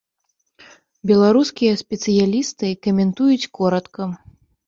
Беларускія спецыялісты каментуюць коратка.